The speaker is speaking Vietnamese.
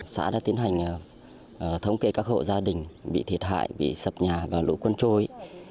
xã đã tiến hành thống kê các hộ gia đình bị thiệt hại bị sập nhà và lũ quân trôi